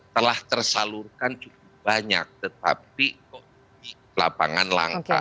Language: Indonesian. telah tersalurkan cukup banyak tetapi kok di lapangan langka